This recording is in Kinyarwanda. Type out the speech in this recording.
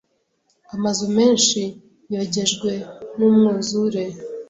Amazu menshi yogejwe numwuzure.